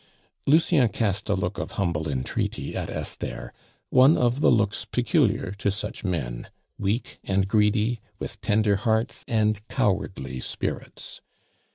Lucien cast a look of humble entreaty at Esther, one of the looks peculiar to such men weak and greedy, with tender hearts and cowardly spirits.